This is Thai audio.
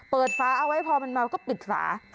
เปิดฝาความนะพอเลยมาก็ปิดฝา